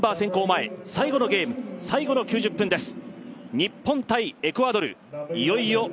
前、最後のゲーム、最後の９０分です。